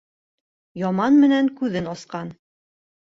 Яман менән күҙен асҡан.